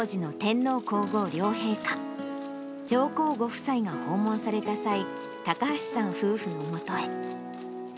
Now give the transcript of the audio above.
当時の天皇皇后両陛下、上皇ご夫妻が訪問された際、高橋さん夫婦のもとへ。